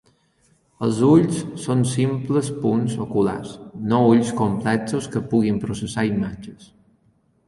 Els ulls són simples punts oculars, no ulls complexos que puguin processar imatges.